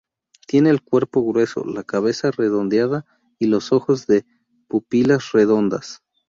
Tiene el cuerpo grueso, la cabeza redondeada y los ojos de pupilas redondas.